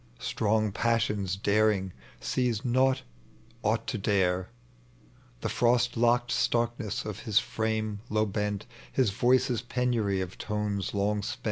Strong passion's daring sees not aught to dare : The frost locked starkness of his frame low hent, His voice's penary of tones loi^ spent